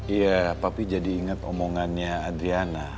iya tapi jadi inget omongannya adriana